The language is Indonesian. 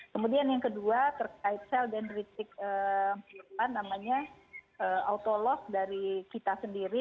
kemudian yang kedua terkait sel dan risiko namanya autolog dari kita sendiri